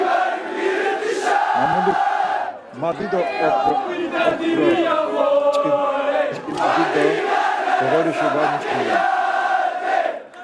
Mamulik, Ma dido okro p̌ç̌kindi do coğorişi var miçkin ya.